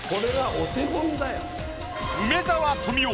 梅沢富美男